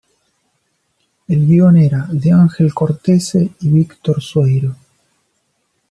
El guion era de Ángel Cortese y Víctor Sueiro.